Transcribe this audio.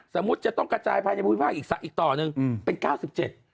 สมมุติจะต้องกระจายภายในภูมิภาคอีกต่อหนึ่งเป็น๙๗บาท